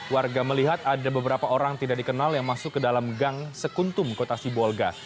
warga melihat ada beberapa orang tidak dikenal yang masuk ke dalam gang sekuntum kota sibolga